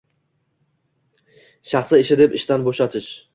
Shaxsiy ishi deb ishdan bo‘shatish